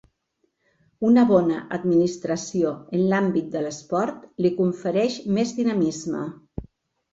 Una bona administració en l'àmbit de l'esport li confereix més dinamisme.